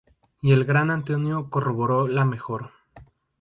Y el gran Antonio corroboró: “La mejor.